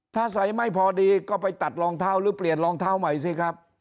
ถ้าใส่ไม่พอดีก็ไปตัดรองเท้าหรือเปลี่ยนรองเท้าใหม่สิครับ